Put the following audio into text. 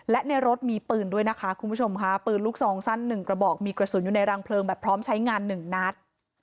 และในรถมีปืนด้วยนะคะคุณผู้ชมค่ะปืนลูกซองสั้น๑กระบอกมีกระสุนอยู่ในรังเพลิงแบบพร้อมใช้งาน๑นัด